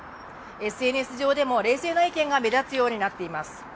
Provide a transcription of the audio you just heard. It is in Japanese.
ＳＮＳ上でも冷静な意見が目立つようになってきています。